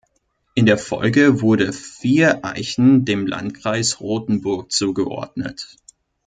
In der Folge wurde Viereichen dem Landkreis Rothenburg zugeordnet.